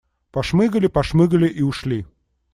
Пошмыгали, пошмыгали и ушли.